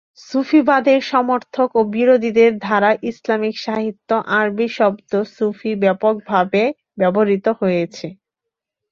সুফিবাদের সমর্থক ও বিরোধীদের দ্বারা ইসলামিক সাহিত্যে আরবি শব্দ সুফি ব্যাপকভাবে ব্যবহৃত হয়েছে।